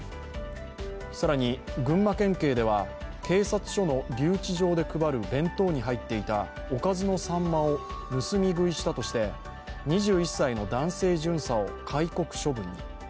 更に群馬県警では、警察署の留置場で配る弁当に入っていたおかずのさんまを盗み食いしたとして、２１歳の男性巡査を戒告処分に。